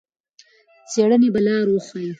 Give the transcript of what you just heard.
څېړنې به لار وښيي.